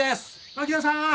槙野さん